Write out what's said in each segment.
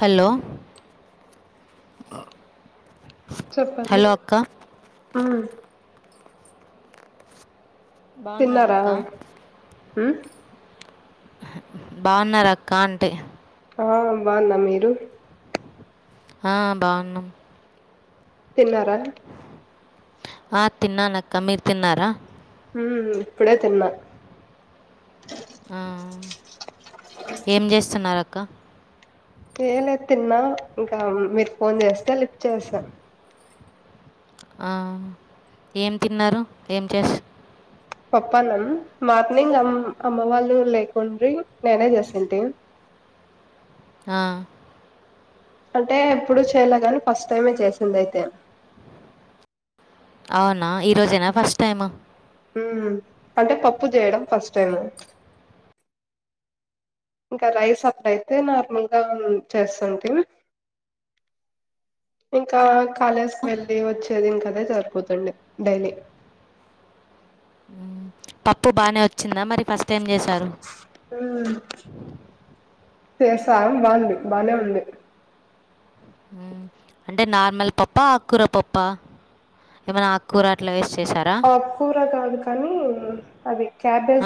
Hello చెప్పండి hello అక్క ఆ బాగున్నారా తిన్నారా అక్క ఊ బాగున్నార అక్క అంటి ఆ బాగున్న మీరు ఆ బాగున్నం తిన్నారా ఆ తిన్నానక్క మీరు తిన్నారా ఊ ఇప్పుడే తిన్నా ఆ ఏం చేస్తున్నారక్క ఏం లే తిన్నా ఇంకా మీరు ఫోన్ చేస్తే లిఫ్ట్ చేస ఆ ఏం తిన్నారు ఏం చేసి పప్పన్నం మార్నింగ్ అమ్ అమ్మ వాళ్ళు లేకుండ్రి నేనే చేసింటి ఆ అంటే ఎప్పుడు చేయలే కాని ఫస్ట్ టైమే చేసింది అయితే అవునా ఈ రోజేనా ఫస్ట్ టైమ్ అంటే పప్పు చేయడం ఫస్ట్ టైము ఇంకా రైస్ అప్పుడయితే నార్మల్ గా చేస్తుంటీ ఇంకా కాలేజ్ కు వెళ్ళి వచ్చేది ఇంకా అదే సరిపోతుండే డైలీ పప్పు బానే వచ్చిందా మరి ఫస్ట్ టైం చేశారు ఊ చేసా బాగుంది బానే ఉంది అంటే నార్మల్ పప్ప ఆకుకూర పప్ప ఏమన్న ఆకుకూర అట్లా వేసి చేసార ఆకూర కాదు కానీ అది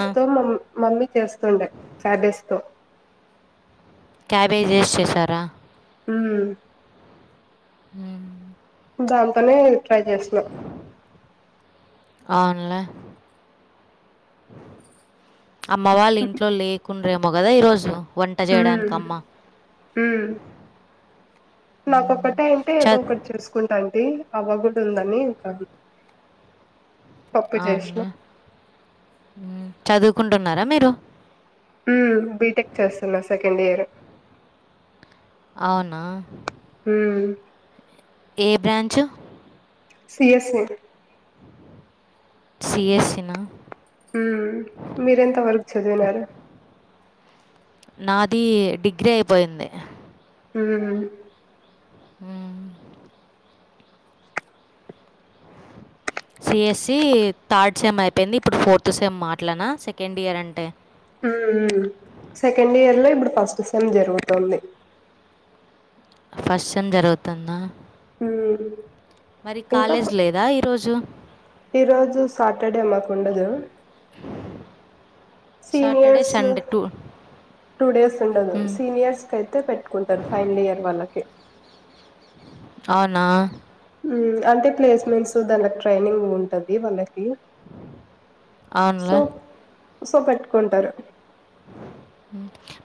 ఆ, తో మం మమ్మీ చేస్తుండే క్యాబేజ్ తో క్యాబేజ్ వేసి చేసారా ఉమ్ ఉమ్ దాంతోనే ట్రై చేసిన అవునులే అమ్మవాళ్ళు ఇంట్లో లేకుండ్రేమో కదా ఈరోజు వంట ఉమ్ జేయడానికమ్మ ఉమ్ నాకొక్కటే ఉంటే ఏదో చద్ ఒకటి చేసుకు కుంటంటీ అవ్వగుడ ఉందని ఇంకా పప్పు అవున్న చేసిన ఉమ్ చదువుకుంటున్నారా మీరు ఉమ్ బీటెక్ చేస్తున్నా సెకండ్ ఇయర్ అవునా ఊమ్ ఏ బ్రాంచు సిఎస్సి సిఎస్సి నా ఉ మీరెంత వరకు చదివినారు నాది డిగ్రీ అయిపోయింది ఉమ్ హూ సి ఎస్ళసి థర్డ్ సెమ్ అయిపోయింది ఇప్పుడు ఫోర్త్ సెమ్ అట్లానా సెకండ్ ఇయర్ అంటే హూ ఉమ్ సెకండ్ ఇయర్ లో ఇప్పుడు ఫస్ట్ సెమ్ జరుగుతుంది ఫస్ట్ సెమ్ జరుగుతుందా ఉమ్ మరి కాలేజ్ లేదా ఈరోజు ఈ రోజు సాటర్డే మాకు ఉండదు Saturday seniors Sunday two two days ఉండదు సీనియర్స్ కై తే పెట్టుకుంటారు ఫైనల్ ఇయర్ వాళ్ళకి అవునా ఉమ్మ్ అంటే ప్లేస్మెంట్స్ దాన్లకు ట్రైనింగ్ ఉంటది వాళ్ళకి సో అవునులే సో పెట్టుకుంటారు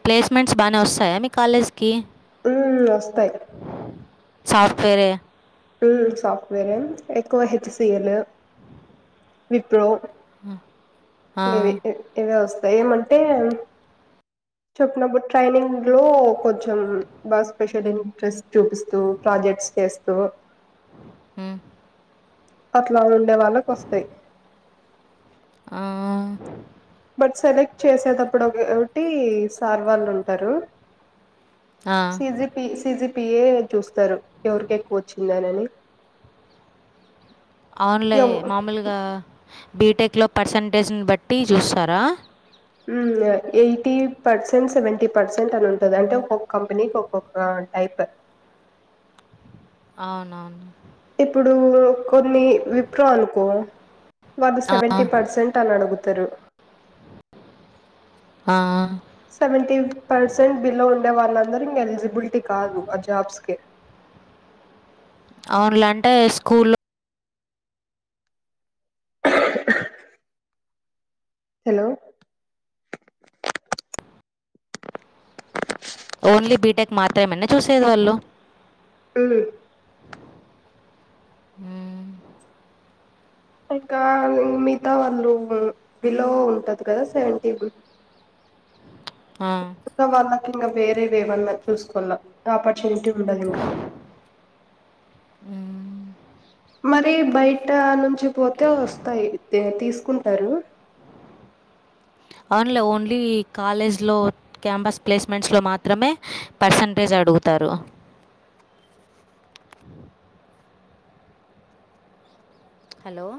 ప్లేస్మెంట్స్ బానే వస్తాయా మీ కాలేజ్ కి ఉమ్ వస్తాయి సాఫ్ట్వేర్ యే ఉమ్ సాఫ్ట్వేర్ యే ఎక్కువ హెచ్ సి ఎల్ విప్రో ఆ, దివి ఈ ఇవే వస్తాయి ఏమంటే చెప్పినప్పుడు ట్రైనింగ్ లో కొంచెం బా స్పెషల్ ఇంట్రెస్ట్ చూపిస్తూ ప్రాజెక్ట్స్ చేస్తూ ఊ అట్లా ఉండే వాళ్ళకి వస్తాయి ఆ బట్ సెలెక్ట్ చేసేటప్పుడు ఒకే ఒకటి సార్ వాళ్ళుంటారు ఆ. C G P C G P A చూస్తిరు ఎవరికి ఎక్కువ వచ్చిందనని అవునులే ఎవ్ మామూలుగా బీ టెక్ లో పర్సంటేజ్ ని బట్టి చూస్తారా ఉమ్ ఆ ఎయిటీ పర్సెంట్ సెవెంటీ పర్సెంట్ అని ఉంటది అంటే ఒక్కొక్క కంపెనీకి ఒక్కొక్క టైప్ అవునవును ఇప్పుడు కొన్ని విప్రో అనుకో వాళ్ళు ఆ, సెవెంటీ పర్సెంట్ అని అడగుతరు ఆ సెవెంటీ పర్సెంట్ బిలో ఉండే వాళ్ళందరూ ఇంగ ఎలిజిబిలిటీ కాదు ఆ జాబ్స్ కి అవునులే అంటే స్కూల్లో హేలో ఓన్లీ బీ టెక్ మాత్రమేనా చూసేది వాళ్ళు ఉమ్ ఊ ఇంకా మిగతా వాళ్ళు బిలో ఉంటది కదా సెవెంటీ ఆ క వాళ్ళకి ఇంక వేరేవి ఏవన్నా చూసుకోల్ల ఆపర్చునిటీ ఉండదు ఇంక ఊ మరి బయట నుంచి పోతే వస్తాయి తె తీసుకుంటారు అవునులే ఓన్లీ కాలేజ్ లో క్యాంపస్ ప్లేస్మెంట్స్ లో మాత్రమే పర్సంటేజ్ అడుగుతారు హలో